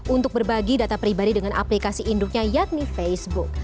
untuk berbagi data pribadi dengan aplikasi induknya yakni facebook